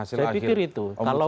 saya pikir itu